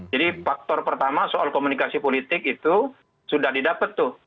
jadi faktor pertama soal komunikasi politik itu sudah didapat